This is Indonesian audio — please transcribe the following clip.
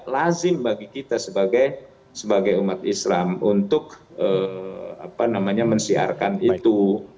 lazim bagi kita sebagai umat islam untuk mensiarkan itu